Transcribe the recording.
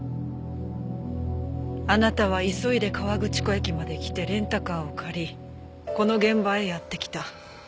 あなたは急いで河口湖駅まで来てレンタカーを借りこの現場へやって来た。